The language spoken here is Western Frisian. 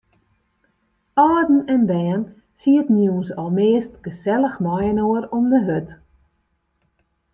Alden en bern sieten jûns almeast gesellich mei-inoar om de hurd.